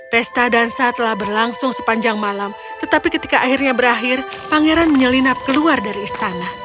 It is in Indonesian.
pesta dansa telah berlangsung sepanjang malam tetapi ketika akhirnya berakhir pangeran menyelinap keluar dari istana